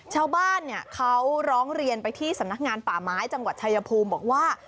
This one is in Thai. ชาวบ้านเนี่ยเขาร้องเรียนไปที่สำนักงานป่าไม้จังหวัดชายภูมิบอกว่า